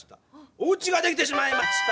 「おうち」ができてしまいました！